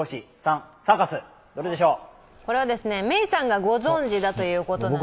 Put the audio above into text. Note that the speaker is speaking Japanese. これはメイさんがご存じだということなんですね。